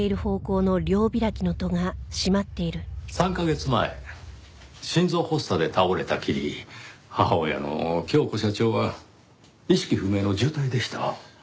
３カ月前心臓発作で倒れたきり母親の恭子社長は意識不明の重体でした。